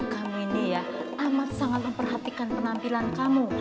kamu ini ya amat sangat memperhatikan penampilan kamu